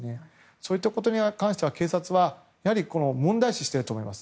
そういったことに関しては警察は問題視していると思います。